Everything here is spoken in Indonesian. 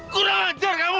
kurang anjar kamu